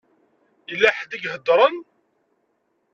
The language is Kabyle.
Yella ḥedd i iheddṛen.